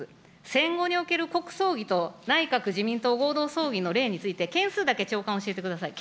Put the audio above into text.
戦後における国葬儀と、内閣・自民党合同葬儀の例について、件数だけ長官、教えてください。